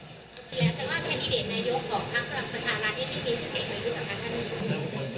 แล้วแสดงว่าแคนดิเดตนายกราศบนตรีของภักดิ์พลังประชารัฐยังไม่มีสังเกตประยุทธ์ของคุณครับ